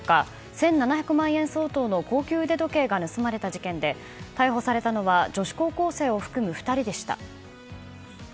１７００万円相当の高級腕時計が盗まれた事件で逮捕されたのは女子高校生を含む２人でした。